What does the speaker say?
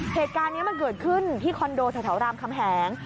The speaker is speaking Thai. เหตุการณ์นี้มันเกิดขึ้นที่คอนโดแถวรามคำแหง